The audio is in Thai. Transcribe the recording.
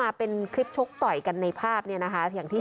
แล้วหลักจากนั้นก็ไปตามพี่ชิปเลยครับ